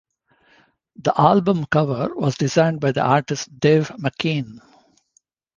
The album cover was designed by the artist Dave McKean.